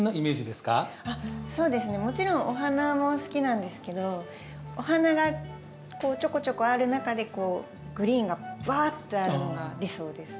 もちろんお花も好きなんですけどお花がちょこちょこある中でこうグリーンがぶわってあるのが理想です。